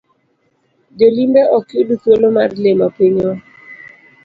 Jolimbe ok yud thuolo mar limo pinywa.